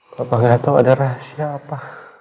papa gak tahu ada rahasia apa